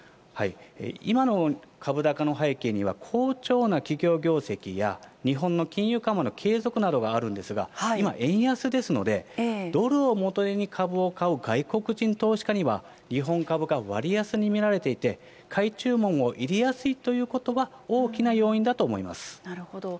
今の株高の背景には、好調な企業業績や、日本の金融緩和の継続などがあるんですが、今、円安ですので、ドルを元手に株を買う外国人投資家には、日本株が割安に見られていて、買い注文を入れやすいということなるほど。